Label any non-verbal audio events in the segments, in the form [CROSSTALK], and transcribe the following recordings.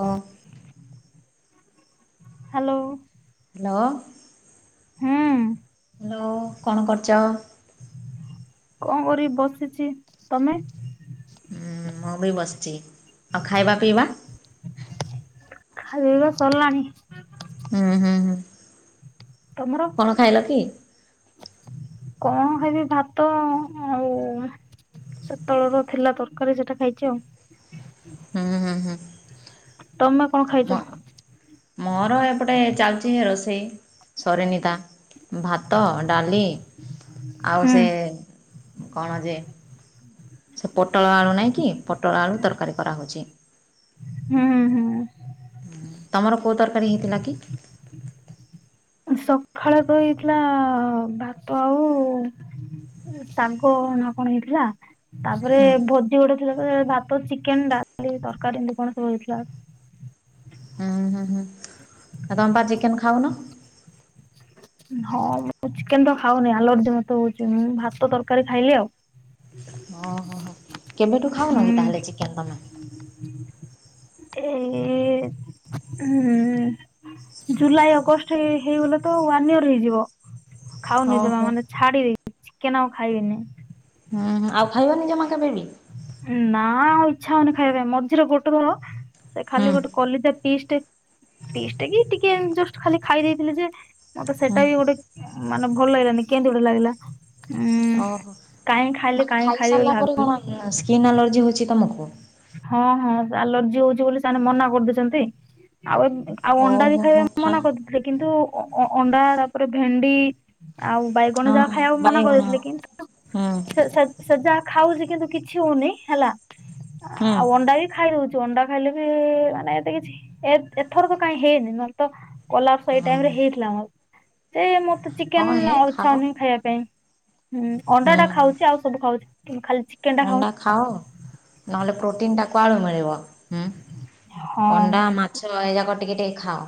ହଁ। Hello. Hello. ହୁଁ। Hello କଣ କରୁଛ? କଣ କରିବି ବସିଛି ତମେ? ମୁଁ ବି ବସିଛି ଆଉ ଖାଇବା ପିଇବା? ଖାଇବା ସରଲାଣିି। ହୁଁ ହୁଁ ହୁଁ। ତମର? କଣ ଖାଇଲ କି? କଣ ଖାଇବି ଭାତ ଆଉ ସେତେବେଳର ର ଥିଲା ତରକାରୀ ସେଟା ଖାଇଛି ଆଉ। ହୁଁ ହୁଁ ହୁଁ। ତମେ କଣ ମୋ ଖାଇଛ? ମୋର ଏପଟେ ଚାଲିଛି ରୋଷେଇ ସରେ ନିତା ଭାତ, ଡାଲି ଆଉ ହୁଁ ସେ କଣ ଯେ? ସେ ପୋଟଳ ଆଳୁ ନାହିଁକି ପୋଟଳ ଆଳୁ ତରକାରୀ କରାହେଉଛି। ହୁ ହୁ। ତମର କୋଉ ତରକାରୀ ହେଇଥିଲା କି? ସକାଳେ ତ ହେଇଥିଲା ଭାତ ଆଉ ଶାଗ ନା କଣ ହେଇଥିଲା? ତାପରେ ହୁଁ ଭୋଜି ଗୋଟେ ଥିଲା ଭାତ ଚିକେନ ଡାଲି ତରକାରୀ ଏମତି କଣ ସବୁ ହେଇଥିଲା। ହୁଁ ହୁଁ ହୁଁ। ଆଉ ତମ ପା ଚିକେନ୍ ଖାଉନ? ହଁ ମୁଁ ଚିକେନ ତ ଖାଉନି ଆଲର୍ଜି ମତେ ହଉଛି ମୁଁ ଭାତ ତରକାରୀ ଖାଇଲି ଆଉ। ଓହୋ ହୋ କେବେଠୁ ଖାଉନ କି ହୁଁ ତାହେଲେ ଚିକେନ ତମେ? ଏଇ ହଁ। ଜୁଲାଇ ଅଗଷ୍ଟ ହେଇଗଲେ ତ। ର ହେଇଯିବ ଖାଉନି ଜମା ଓହୋ ମାନେ ଛାଡି ଦେଇ ଚିକେନ ଆଉ ଖାଇବିନି। ହୁଁ ଆଉ ଖାଇବନି ଜମା କେବେ ବି? ନା ଆଉ ଇଚ୍ଛା ହଉନି ଖାଇବା ପାଇଁ ମଝିରେ ଗୋଟେ ଘର ସେ ଖାଲି ହୁଁ ଗୋଟେ। କଲିଜା ପି ପିସ୍ ଟ କି ଟିକେ ଜ ଖାଲି ଖାଇ ଦେଇଥିଲେ ଯେ ମତେ ସେଇଟା ବି ଗୋଟେ ମାନେ ଭଲ ଲାଗିଲାନି କେମତି ଗୋଟେ ଲାଗିଲା। ହୁଁ ଓହୋ କାହିଁ ଖାଇଲେ ମାନେ କାହିଁ ଖାଇଲେ ଖାଇସାରିଲା ବୋଲି ପରେ ଭାବିଲି। କଣ ସ୍କିନ୍ ଆଲର୍ଜି ହଉଛି ତମକୁ? ହଁ ହଁ ଆଲର୍ଜି ହଉଛି ବୋଲି ସେମାନେ ମନା କରିଦେଇଛନ୍ତି ଆଉ ଏ। ଆଉ ଅଣ୍ଡା ବି ଓହୋ ହୋ ଖାଇବା ପାଇଁ ଖା ମନା କରିଦଥିଲେ କିନ୍ତୁ ଅ ଅ ଅଣ୍ଡା ତାପରେ ଭେଣ୍ଡି ଆଉ ବାଇଗ ଣ ଯାହା ହଁ ଖାଇବାକୁ ମନା ବାଇଗଣ କରିଦେଇଥିଲେ କିନ୍ତୁ ହୁଁ ସେ ସେ ଯାହା ଖାଉଛି କିନ୍ତୁ କିଛି ହଉନି ହେଲା ହୁଁ ଆଉ ଅଣ୍ଡା ବି ଖାଇ ଦଉଛୁ ଅଣ୍ଡା ଖାଇଲେ ବି ମାନେ ଏତେ କିଛି ଏଥର ତ କାଇହିଁ ହେଇନି ନହେଲେ ତ କଲା ସେଇ ହଁ ଟାଇମ ରେ ହେଇଥିଲା ମୋର ସେ ମତେ ହଁ ଚିକେନ ହେ ଆଉ ଖାଅ ଇଛା ହଉନାହିଁ ଖାଇବା ପାଇଁ ହୁଁ ଅଣ୍ଡା ଟା ଖାଉଛି ଆଉ ସବୁ ଖାଉଛି ଖାଲି ଚିକେନ ଟା ଖାଉନି ଅଣ୍ଡା ଖାଅ ନହେଲେ ପ୍ରୋଟିନ ଟାକୁ ଆଳୁ ମିଳିବ ହୁ। ହଁ ଅଣ୍ଡା ଠିକ ମାଛ ଏଇରା କ ଟିକେ ଟିକେ ଖାଅ।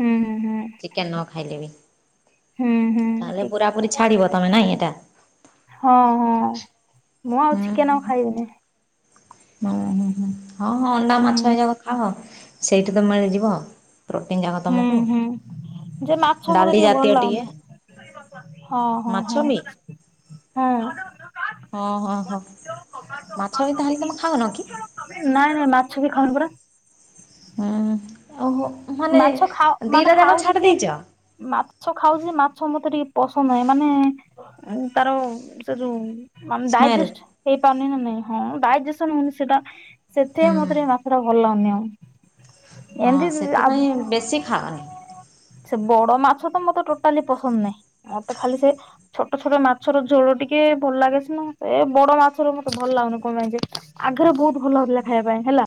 ହୁଁ। ଚିକେନ୍ ନ ଖାଇଲେ ବି ହୁଁ। ହୁଁ ହୁଁ ତାହେଲେ ଠିକ ପୁରା ପୁରୀ ଛାଡ଼ିବ ତମେ ନାଇଁ ଏଇଟା? ହଁ ହଁ ମୁଁ ଆଉ ହୁଁ ହୁଁ ଚିକେନ ଆଉ ଖାଇବିନି। ହୁଁ ହଁ ଅଣ୍ଡା ହୁଁ ମାଛ ଏ ଯାକ ଖାଅ ସେଇଠି ତ ମିଳିଯିବ ଆଉ। ପ୍ରୋଟିନ୍ ଯାକ ହୁଁ ତମକୁ ହୁଁ ଯେ ମାଛ ମତେ ଡାଲି ଭଲ ଜାତୀୟ ଟିକେ ଲାଗୁନି ହଁ ମାଛ ବି ହଁ ହଁ ହଁ। ହଁ ହଁ ହଁ, ମାଛ ବି ତାହେଲେ ତମେ ଖାଉନ କି? ନାଇଁ ନାଇଁ ମାଛ ବି ଖାଉନି ପରା। ହୁଁ। ଓହୋ ମାନେ ମାଛ ଖାଉ ମାନେ ଦିଟା ଯାକ ଖାଉଛି ଛାଡି ଯେ ଦେଇଛ? ମାଛ ଖାଉଚି ମାଛ ମତେ ଟିକେ ପସନ୍ଦ ନାହିଁ। ମାନେ ଉଁ ତାର ସେ ଯୋଉଁ ମାନେ, ସ୍ମେଲ୍ ଡାଇଜେଷ୍ଟ ହେଇପାରୁନି ନା ନାଇଁ ହଁ ଡାଇଜେସନ ହଉନି ସେଟା ସେଥି ହୁଁ ପାଇଁ ମତେ ଟିକେ ମାଛ ଟା ଭଲ ଲାଗୁନି ଆଉ। ଏମିତି ଆ ହୁଁ ବେଶୀ ଖାଅନି। ସେ ବଡ ମାଛ ତ ମତେ ଟୋଟାଲି ପସନ୍ଦ ନାଇ। ମତେ ଖାଲି ସେ ଛୋଟ ଛୋଟ ମାଛର ଝୋଳ ଟିକେ ଭଲ ଲାଗେସିନା ଏ ବଡ ମାଛର ମତେ ଭଲ ଲାଗୁନି କଣ ପାଇଁ ଯେ। ଆଗରେ ବୋହୁତ୍ ଭଲ ଲାଗୁ ଥିଲା ଖାଇବା ପାଇଁ ହେଲା।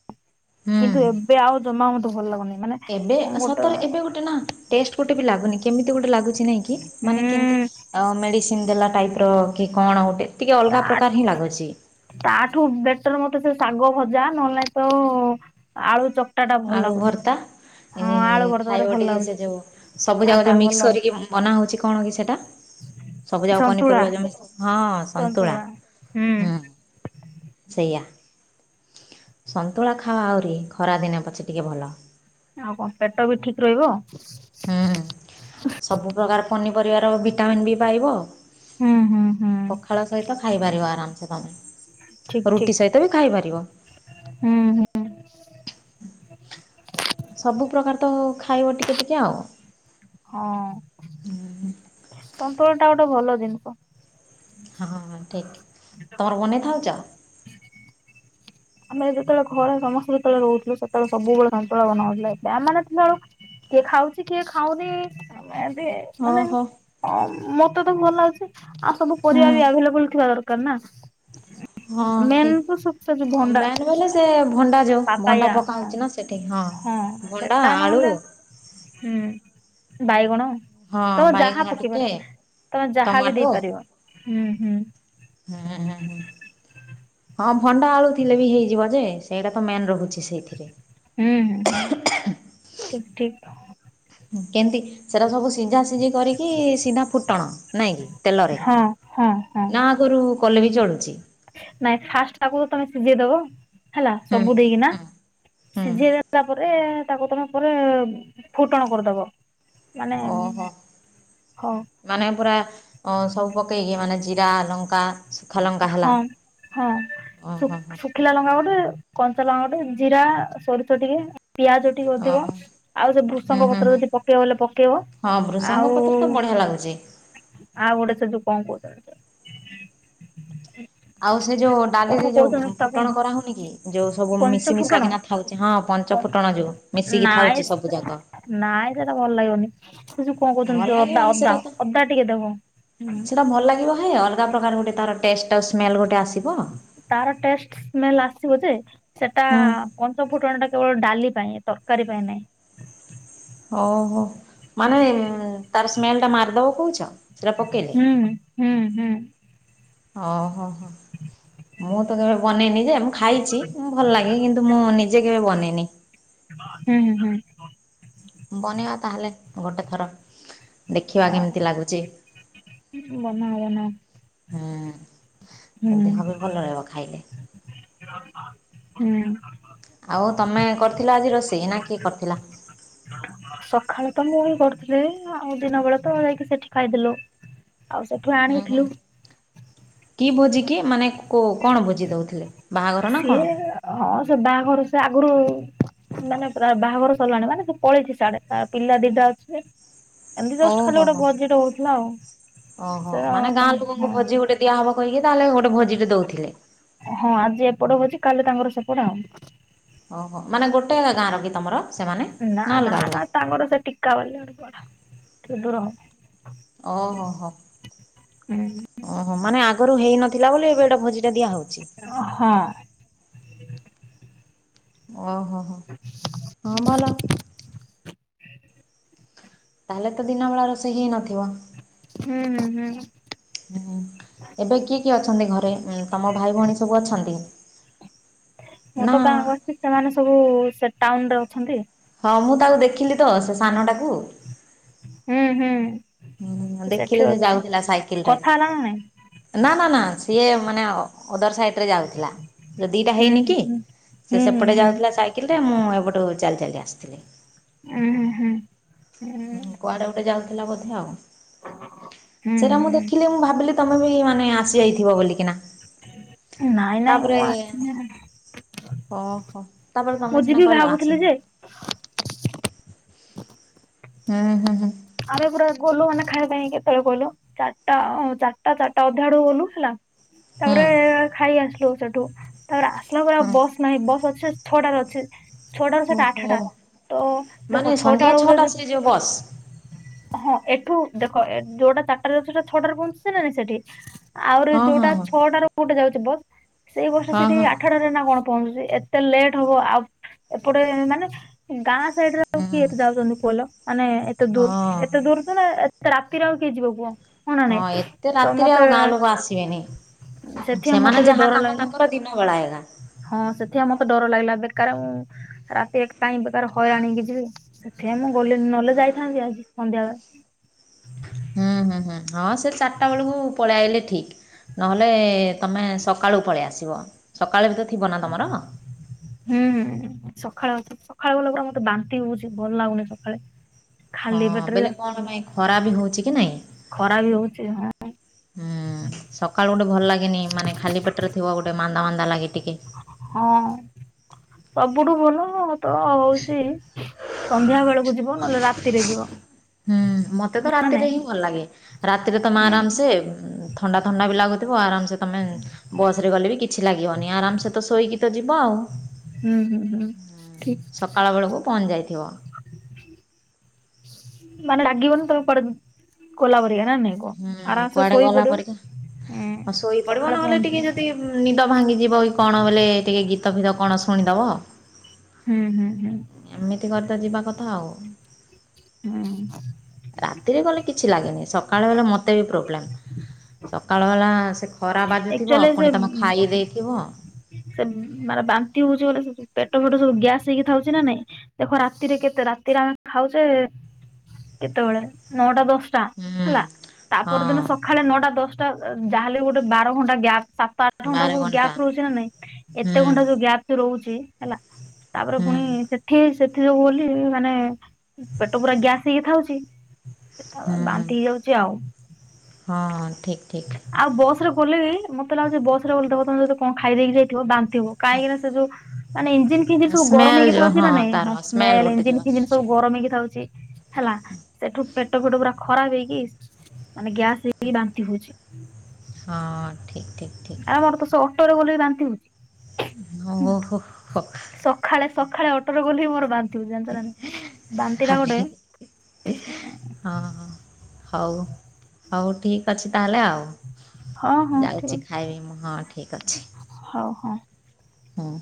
ହୁଁ କିନ୍ତୁ ଏବେ ଆଉ ଜମା ମତେ ଭଲ ଲାଗୁନି। ମାନେ ଏବେ ଗୋଟେ ସତରେ ଏବେ ଗୋଟେ ନା ଟେଷ୍ଟ ଗୋଟେ ବି ଲାଗୁନି କେମିତି ଗୋଟେ ଲାଗୁଚି ନାଇଁ କି। କି ମାନେ କେମିତି ଉଁ ଆ ମେଡ଼ିସିନ୍ ଦେଲା ଟାଇପ୍ ର କି କଣ ଗୋଟେ ଟିକେ ତା ଅଲଗା ପ୍ରକାର ହିଁ ଲାଗୁଚି। ତାଠୁ ବେଟର ମତେ ସେ ଶାଗ ଭଜା ନହେଲେ ତ ଆଳୁ ଚ ଆଳୁ ଭର୍ତା ଏ, ଆଳୁ ଭର୍ତାରେ ଖାଇବ ଭଲ ଟିକେ ଲାଗୁଛି ସେ ଯୋଉ ସବୁ ଯାଗ ସାଧା ଯଉ ଭଲ ମିକ୍ସ ଲାଗୁଛି। କରିକି ବନା ହେଉଛି କଣ କି ସେଟା ସବୁ ଜା ସନ୍ତୁଳା ପନିପରିବା ଯୋଉଁ ହଁ ସନ୍ତୁଳା, ହୁଁ। ସେଇଆ ସନ୍ତୁଳା ଖାଅ ଆହୁରି ଖରାଦିନେ ପଛେ ଟିକେ ଭଲ। ଆଉ କଣ ପେଟ ବି ଠିକ୍ ରହିବ। ହୁଁ ହୁଁ। ସବୁପ୍ରକାର ପନିପରିବାର ଭିଟାମିନ୍ ବି ପାଇବ। ହୁଁ ହୁଁ ହୁଁ ପଖାଳ ସହିତ ଖାଇପାରିବ ଆରାମସେ ତମେ। ଠିକ ରୁଟି ଠିକ ସହିତ ବି ଖାଇ ପାରିବ। ହୁଁ ହୁଁ। ସବୁ ପ୍ରକାର ତ ଖାଇବ ଟିକେ ଟିକେ ଆଉ। ହଁ। ସନ୍ତୁଳା ଟା ଗୋଟେ ଭଲ ଜିନିଷ। ହଁ ହଁ ହଁ ଠିକ୍। ତମର ବନେଇ ଖାଉଛ? ଆମେ ଯେତେବେଳେ ଘରେ ସମସ୍ତେ ଯେତେବେଳେ ରହୁଥିଲୁ ସେତେବେଳେ ସବୁବେଳେ ସନ୍ତୁଳ ବନା ହଉଥିଲା ଏବେ ଆମର [UNINTELLIGIBLE] କିଏ ଖାଉଚି କିଏ ଖାଉନି। ଆଉ ଏବେ ମାନେ ଓହୋ। ଅ ମତେ ତ ଭଲ ଲାଗୁଛି। ଆଉ ସବୁ ପରିଆ ହୁଁ ବି ଆଭେଲେବୁଲ୍ ଥିବା ଦରକାର ନା। ମେନ୍ ତ [UNINTELLIGIBLE] ଭଣ୍ଡା। ଏଲେ ସେ ଭଣ୍ଡା ଯୋଉ ଭଣ୍ଡା ପାପାୟା ପକା ହଁ ହଉଚି ନା ସେଠି ହଁ ଭଣ୍ଡା ସେଟା ଆଳୁ ନହେଲେ ହୁଁ ବାଇଗଣ ହଁ ତମେ ଯାହା ବାଇଗଣ ଟିକେ ପକେଇପାରି, ତମେ ଯାହା ବି ଟମାଟୋ ଦେଇପାରିବ। ହୁଁ ହୁଁ। ହୁଁ ହୁଁ। ହଁ ଭଣ୍ଡା ଆଳୁ ଥିଲେ ବି ହେଇଯିବ ଯେ, ସେଇଟା ତ ମେନ୍ ରହୁଛି ସେଇଥିରେ। ହୁଁ ହୁଁ ହୁଁ, ଠିକ୍ ଠିକ୍। ଉଁ କେମିତି ସେଟା ସବୁ ସିଝା ସି ଜି କରିକି ସିଧା ଫୁଟଣ ନାଇଁ କିି ତେଲରେ ହଁ ହଁ ହଁ ନା ଆଗରୁ କଲେ ବି ଚଳୁଚି। ନାଇଁ ଫାଷ୍ଟ ତାକୁ ତ ତମେ ସିଝେଇ ଦବ ହେଲା ହୁଁ ସବୁ ଦେଇକି ନା ହୁଁ ହୁଁ ସିଝେଇ ଦେ ଆସିଲା ପରେ ତାକୁ ତମେ ପରେ ଫୁଟଣ କରଦବ। ଓ ହୋ। ହଉ ମାନେ ପୁରା ଉଁ ସବୁ ପକେଇକି ମାନେ ଜିରା ଲଙ୍କା ଶୁଖା ଲଙ୍କା ହେଲା ହଁ ହଁ ସୁ ଓହୋ ହୋ ଶୁଖ୍ ଖିଲା ଲଙ୍କା ଗୋଟେ କଞ୍ଚା ଲଙ୍ଗା ଗୋଟେ ଜିରା ସୋରିଷ ଟିକେ ପିଆଜ ଟିକେ ଓହୋ ଅଧିକ ଆଉ ସେ ହୁଁ ବୃଷଙ୍ଗ ହୁଁ ପତ୍ର ହୁଁ ଯଦି ପକେଇବ ବଲେ ପକେଇବ। ହଁ ବୃଷଙ୍ଗ ଆଉ ପତ୍ର ତ ବଢ଼ିଆ ଲାଗୁଚି। ଆଉ ଗୋଟେ ସେ ଯୋଉ କଁ କହୁଛନ୍ତି। ଆଉ ସେ ଯୋଉ କଣ ଡାଲିରେ ଯୋଉ କହୁଛନ୍ତି ତାକୁ ଫୁଟଣ କରା ହୋଉନି କି ଯୋଉ ସବୁ ପଞ୍ଚ ମିଶିମିଶା ଫୁଟଣ କିିନା ଥାଉଛି ପଞ୍ଚ ଫୁଟଣ ଯୋଉ ମିଶିକି ନାଇଁ ଥାଉଛି ସେ ସବୁ ଯାକ। ନାଇଁ ସେଟା ଭଲ ଲାଗିବନି। ସେ ଯୋଉ କଣ କହୁଥିନି ଭଲ ତ ଯୋଉ ଅଦା ଲାଗିବନି ଅଦା ସେଟା ତ ଅଦା ଟିକେ ଦେବୁ ହୁଁ। ସେଟା ଭଲ ଲାଗିବ ନାଇଁ ଅଲଗା ପ୍ରକାର ଗୋଟେ ତାର ଟେଷ୍ଟ ଆଉ ସ୍ମେଲ୍ ଗୋଟେ ଆସିବ। ତାର ଟେଷ୍ଟ ସ୍ମେଲେ ଆସିବ ଯେ ସେଟା ହୁଁ। ପଞ୍ଚଫୁଟଣ ଟା କେବଳ ଡାଲି ପାଇଁ ତରକାରୀ ପାଇଁ ନାହିଁ। ଓ ହୋ ମାନେ ତାର ସ୍ମେଲ ଟା ମାରିଦବ କହୁଛ? ସେଟା ପକେଇଲେ? ହୁଁ ହୁଁ ହୁଁ ଓ ହୋ ହ ମୁଁ ତ କେବେ ବନେଇନି ଯେ ମୁଁ ଖାଇଚି ହୁଁ ଭଲ ଲାଗେ କିନ୍ତୁ ମୁଁ ନିଜେ କେବେ ବନେଇନି। ହୁଁ ହୁଁ ବନେଇବା ତାହେଲେ ଗୋଟେ ଥର। ଦେଖିବା କେମିତି ଲାଗୁଚି। ହଁ ବନାଅ ବନାଅ। ହୁଁ ହୁଁ ଦେହ ବି ଭଲ ରହିବ ଖାଇଲେ। ହୁଁ ଆଉ ତମେ କରିଥିଲ ଆଜି ରୋଷେଇ ନା କିଏ କରିଥିଲା। ସଖାଳେ ତ ମୁଁ ହିଁ କରୁଥିଲି ଆଉ ଦିନ ବେଳେ ତ ଯାଇକି ସେଠି ଖାଇଦେଲୁ ‌। ଆଉ ସେଠୁ ହୁଁ ହୁଁ ଆଣିଥିଲୁ। କି ଭୋଜିିକି ମାନେ କୋ କଣ ଭୋଜି ଦେଉଥିଲେ ବାହାଘର ନା ସିଏ କଣ? ହଁ ସେ ବାହାଘର ସେ ଆଗୁରୁ ନାନା ପ୍ରାୟ ବାହାଘର ସରିଲାଣି ମାନେ ସେ ପଳେଇଛି ସାଡେ ତାର ପିଲା ଦିଟା ଅଛି। ଏମତି ଜଷ୍ଟ ଖାଲି ଓହୋ ଗୋଟେ ହୋ। ଭୋଜିଟେ ହୋଉଥିଲା ଆଉ ସେ ହଁ। ଦିଆ ହବ କହିକି ତାହେଲେ ଗୋଟେ ଭୋଜିଟେ ଦଉଥିଲେ? ହଁ ଆଜି ଏପଟ ଭୋଜି କାଲି ତାଙ୍କର ସେପଟ ଆଉ। ଓ ହୋ ମାନେ ଗୋଟେ ଗାଁ ର କି ତମର? ସେମାନେ ନା ନା ଅଲଗା ଅଲଗା? ନା ତାଙ୍କର ସେ ଟିକା ବାଲି ଗୋଟେ କୁଆଡେ ଟିକେ ଦୂର ହବ। ଓ ହୋ ହୋ। ହୁଁ ଓ ହୋ ମାନେ ଆଗରୁ ହେଇନଥିଲା ବୋଲି ଏବେ ଏଇଟା ଭୋଜିଟା ଦିଆ ହୋଉଛି? ଅ ହଁ। ଓ ହୋ ହୋ। ହଁ ଭଲ। ତାହେଲେ ତ ଦିନ ବେଳା ରୋଷେଇ ହେଇନଥିବ? ହୁଁ ହୁଁ ହୁଁ ଏବେ କିଏ କିଏ ଅଛନ୍ତି ଘରେ ତମ ଭାଇ ଭଉଣୀ ସବୁ ଅଛନ୍ତି? ମୁଁ ନା ତ ଗାଁ ଆସିଛି ସେମାନେ ସବୁ ସେ ଟାଉନରେ ଅଛନ୍ତି। ହଁ ମୁଁ ତାକୁ ଦେଖିଲି ତ ସେ ସାନଟାକୁ। ହୁଁ ହୁଁ। ହୁଁ ସେ ସେଠି ଦେଖିଲେ ଯେ ଅଛି ଯାଉଥିଲା ସାଇକେଲରେ କଥା ହେଲା ନା ନାଇଁ ନା ନା ନା ସିଏ ମାନେ। ଓଦର ସାଇଟରେ ଯାଉଥିଲା ଯେ ଦିଟା ହେଇନି ହୁଁ କି ସେ ହୁଁ ସେପଟେ ହୁଁ। ଯାଉଥିଲା। ସାଇକେଲରେ ମୁଁ ଏପଟୁ ଚାଲି ଚାଲି ଆସୁଥିଲି। ଉଁ ଉଁ ହୁଁ। ହୁଁ କୁଆଡେ ଗୋଟେ ଯାଉଥିଲା ବୋଧେ ଆଉ ହୁଁ ହୁଁ ସେଟା ମୁଁ ହୁଁ। ଦେଖିଲି ମୁଁ ଭାବିଲି। ତମେ ବି ମାନେ ଆସିଯାଇଥିବ ବୋଲିକିନା ନାଇଁ ନାଇଁ ତାପରେ ମୁଁ ଆସିଛିି। ଓହୋ ତା, ପରେ ତମେ ସିନା କହିଲ ଭାବୁଥିଲି ଆସନି। ଯେ ହୁଁ, ହୁଁ, ହୁଁ। ଆମେ ପୁରା ଗଲୁ ମାନେ ଖାଇବା ପାଇଁ କେତେବେଳେ କହିଲ। ଚାରିଟା ଚାରିଟା ଚାରିଟା ଅଧା ଆଡୁ ଗଲୁ ହେଲା ହୁଁ ତାପରେ ଖାଇ ଆସିଲୁ ସେଠୁ। ତାପରେ ଆସିଲା ପରେ ଆଉ ହଁ ବସ୍ ନାହିଁ ବସ୍ ଅଛେ ଛଅଟାରେ ଅଛେ। ଛଅଟ ରୁ ସେଟା ଓହୋ ଆଠଟା ତ ଦେଖ ଛଟା ବେଳକୁ ଯଦି ଗସ୍ ହଁ ଏଠୁ ଦେଖ ଯୋଉଟା ଚାରିଟରେ ଅଛି ସେଟା ଛଟାରେ ବହଞ୍ଚୁଛି ନାଁ ସେଠି। ଆହୁରି ହଁ ହଁ ଯୋଉଟା ହଁ ଛଅଟା ର ଗୋଟେ ଯାଉଛି ବସ୍, ସେଇ ବସଟା ହଁ ସେଠି ହଁ ଆଠ ଆଠଟାରେ ନା କଣ ପହଞ୍ଚୁଛି ଏତେ ଲେଟ୍ ହବ ଆଉ ଏପଟେ ମାନେ ଗାଁ ସେଇଥରେ ଆଉ ହୁଁ କିଏ ଏତେ ଯାଉଛନ୍ତି କହିଲ ମାନେ ଏତେ ଦୂର। ହଁ ଏତେ ଦୂର ତ ନା ରାତିରେ ଆଉ କେହି ଯିବ କହ। ହଁ, ଏତେ ରାତିରେ ଆଉ ଗାଁ ଲୋକ ଆସିବେନି। ସେଥିପାଇଁ ମତେ ସେମାନେ ଟିକେ ଯାହା ଡର କାମ ଲାଗିଲା ତାଙ୍କର ଦିନ ବଳା ହେଗା। ହଁ ସେଥିାଆ ମତେ ଡର ଲାଗିଲା କାଳ ଉଁ ରାତି ଏକ୍ ପାଇଁ ବେକାର ହଇରାଣିକି ଯିବି, ସେଥିପାଇ ମୁଁ ଗଲି ନହେଲେ ଯାଇଥାନ୍ତି ଆଜି ସନ୍ଧ୍ୟାବେଳେ। ହୁଁ ହୁଁ ହୁଁ ହଁ ସେ ଚାରିଟା ବେଳକୁ ପଳେଇ ଆଇଲେ ଠିକ। ନହେଲେ ତୁମେ ସକାଳୁ ପଳେଇ ଆସିବ, ସକାଳୁ ବି ତ ଥିବ ନା ତୁମର। ହୁଁ ହୁଁ ସକାଳ ଅଛି। ସକାଳେ ଶଲାବେଳେ ମତେ ବାନ୍ତି ହଉଛି ଭଲ ଲାଗୁନି ସକାଳେ। ହଁ ଖାଲି ପେଟରେ -ବୋଇଲେ କଣ ପାଇଁ ଖରା ବି ହଉଛି କି ନାଇଁ। ଖରା ବି ହଉଛି ହଁ ହଁ -ସକାଳୁ ଗୋଟେ ଭଲ ଲାଗେନି ମାନେ ଖାଲି ପେଟରେ ଥିବ ଗୋଟେ ମାନ୍ଦା ମାନ୍ଦା ଲାଗେ ଟିକେ। ହଁ ସବୁଠୁ ଭଲ ତ ହଉଛି ସନ୍ଧ୍ୟା ବେଳକୁ ଯିବ ନହେଲେ ରାତିରେ ଯିବ। ହୁଁ ମତେ ତ ନା ରାତିରେ ନାଇଁ। ହିଁ ଭଲ ଲାଗେ, ରାତିରେ ତମେ ଆରାମସେ ଥଣ୍ଡା ଥଣ୍ଡା ବି ଲାଗୁଥିବ ଆରାମସେ ତମେ ବସ ରେ ଗଲେ ବି କିଛି ଲାଗିବନି ଆରାମସେ ତ ଶୋଇକି ତ ଯିବଆଉ, ହୁଁ ହୁଁ ହୁଁ ଠିକ୍ ସକାଳ ବେଳକୁ ପହଞ୍ଚି ଯାଇଥିବ। ମାନେ ଲାଗିବନି ତମେ କୁଆଡେ ଗଲାପ ରିଆ ନା ନାଇଁ। କୁହ ହୁଁ, ଆରାମସେ କୁଆଡେ ଶୋଇ ଗଲା ପଡିବ ପରିକା ହୁଁ ଆଉ ଶୋଇ ପଡିବ ସକାଳେ ନହେଲେ ପହଞ୍ଚିବ ଟିକେ ଯଦି ନିଦ ଭାଙ୍ଗିଯିବ କି କଣ ବୋଇଲେ ଟିକେ ଗୀତ ଫିତ କଣ ଶୁଣିଦବ। ହୁଁ, ହୁଁ, ହୁଁ। ଏମିତି କରି ତ ଯିବା କଥା ଆଉ। ହୁଁ। ରାତିରେ ଗଲେ କିଛି ଲାଗେନି ସକାଳେ ହେଲେ ମତେ ବି ପ୍ରୋବ୍ଲେମ୍। ସକାଳ ବେଳା ସେ ଖରା ବାଜୁଥିବ। ଏକ୍ଚୁଆଲି ସେ ପୁଣି ତମେ ଖାଇ ଦେଇଥିବ। ସେ ମାନେ ବାନ୍ତି ହଉଛି ବୋଇଲେ, ପେଟ ଫେଟ ସବୁ ଗ୍ୟାସ ହେଇକି ଥାଉଛି ନା ନାଇଁ? ଦେଖ ରାତିରେ କେତେ, ରାତିରେ ଆମେ ଖାଉଛେ, କେତେବେଳେ ନଅଟା ଦଶ ଟା, ହୁଁ ହେଲା ତା ପର ଦିନ ହଁ। ସକା ସକାଳେ ନଅଟା ଦଶଟା, ଯାହାହେଲେ ବି ଗୋଟେ ବାର ଘଣ୍ଟା ଗ୍ୟାପ୍ ସାତଟା ଆଠ ଘଣ୍ଟା ଗ୍ୟାପ୍ ରହୁଛି ନା ନାଇଁ? ଏତେ ହୁଁ ଘଣ୍ଟା ଯୋଉ ଗ୍ୟାପ୍ ରହୁଛି, ହେଲା ତାପରେ ପୁଣି ହୁଁ ସେ ଠି ସେଠି ଯୋଉ ବୋଲି ମାନେ ପେଟ ପୁରା ଗ୍ୟାସ ହେଇକି ଥାଉଛି। [UNINTELLIGIBLE] ହୁଁ ବାନ୍ତି ହେଇଯାଉଛି ଆଉ। ହଁ ଠିକ୍ ଠିକ୍ ଆଉ ବସ ରେ ଗଲେ ବି, ମତେ ଲାଗୁଛି ବସରେ ଗଦବ ତମେ ଯଦି କଣ ଖାଇଦେଇକି ଯାଇଥିବ ବାନ୍ତି [UNINTELLIGIBLE] ମାନେ ଇଞ୍ଜିନ ଫିଂଜିନ ସବୁ ଗରମ ସ୍ମେଲ୍ ହେଇ ଯେଉଁ ଥାଉଛି ନା ହଁ ନାଇଁ? ତାର ସ୍ମେଲ୍ ସ୍ମେଲ ଗୋଟେ ଇଞ୍ଜିିନ ଯେଉଁ ଖିଞନ ସବୁ ଆସୁଛି ଗରମ ହେଇକିଥାଉଛି। ହେଲା। ସେଠୁ ପେଟ ଫେଟ ପୁରା ଖରାପ ହେଇକି, ମାନେ ଗ୍ୟାସ ହେଇକି ବାନ୍ତି ହଉଛି। ହଁ, ଠିକ ଠିକ୍। ଆମର ତ ସେ ଅଟୋରେ ଗଲେ ବାନ୍ତି ହୁଏ। ଓହୋ ହୋ। [UNINTELLIGIBLE] ସକାଳେ, ସକାଳେ ଅଟୋରେ ଗଲେ ବି ମୋର ବାନ୍ତି। ଜା ନା ବାନ୍ତି ଟା ଗୋଟେ। ଆରେ [UNINTELLIGIBLE] ହଁ, ହଁ, ହଉ, ହଉ ଠିକ୍ ଅଛି ତାହେଲେ ଆଉ। ହଁ ହଁ ଠିକ ଯାଉଛି ଅଛି ଖାଇବି ମୁଁ। ହଁ, ଠିକ ଅଛି। ହଉ, ହଉ। ହଁ।